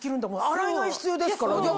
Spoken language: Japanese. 洗い替え必要ですから。